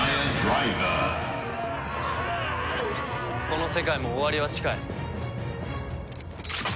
この世界も終わりは近い。